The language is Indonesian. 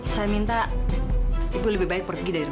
saya minta ibu lebih baik pergi dari rumah